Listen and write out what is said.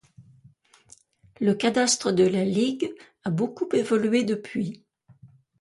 Le cadastre de la Ligue a beaucoup évolué depuis.